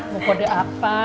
mau kode apa